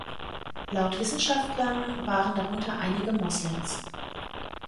Laut Wissenschaftlern waren darunter einige Moslems.